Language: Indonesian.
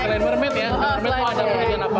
selain mermaid ya mermaid wajah mungkin ada yang apa